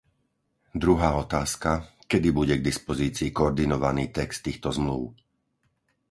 Druhá otázka, kedy bude k dispozícii koordinovaný text týchto zmlúv?